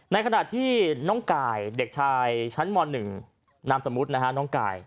ในขณะที่น้องกายเด็กชายชั้นม๑นามสมมุตินะฮะน้องกาย